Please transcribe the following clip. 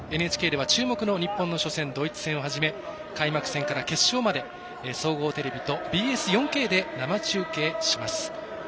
ＮＨＫでは注目の日本の初戦、ドイツ戦と開幕戦から決勝まで総合テレビとＢＳ４Ｋで生中継します。